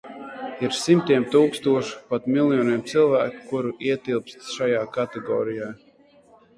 Ir simtiem tūkstošu, pat miljoniem cilvēku, kuri ietilpst šajā kategorijā.